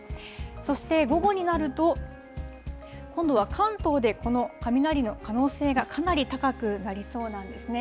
そして、午後になると、今度は関東でこの雷の可能性がかなり高くなりそうなんですね。